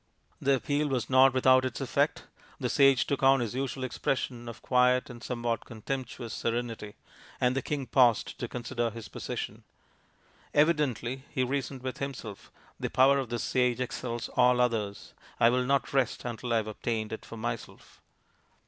The appeal was not without its effect The sage took on his usual expression of quiet and somewhat contemptuous serenity, and the king paused to consider his position. " Evidently," he reasoned with himself, " the power of this sage excels all others. I will not rest until I have obtained it for myself."